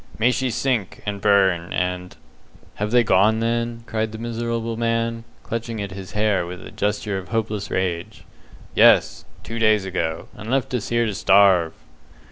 "May she sink, and burn, and " "Have they gone, then?" cried the miserable man, clutching at his hair with a gesture of hopeless rage. "Yes; two days ago, and left us here to starve."